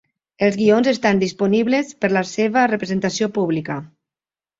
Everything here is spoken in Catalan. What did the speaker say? Els guions estan disponibles per la seva representació pública.